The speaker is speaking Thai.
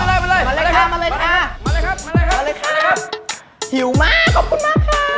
มาเลยครับเหี้ยวมากขอบคุณมากค่ะ